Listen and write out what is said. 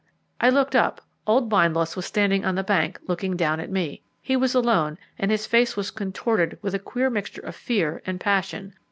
I looked up; old Bindloss was standing on the bank looking down at me. He was alone, and his face was contorted with a queer mixture of fear and passion.